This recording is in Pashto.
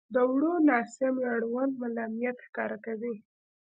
• د وړو ناسمیو اړوند ملایمت ښکاره کوئ.